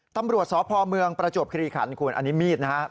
ตำรวจสพเมืองประจวบคลีขันคุณอันนี้มีดนะฮะ